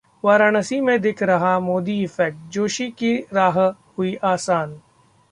वाराणसी में दिख रहा 'मोदी इफेक्ट', जोशी की राह हुई आसान